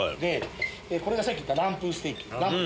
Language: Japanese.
これがさっき言ったランプステーキ。